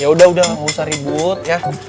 yaudah udah nggak usah ribut ya